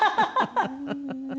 フフフフ。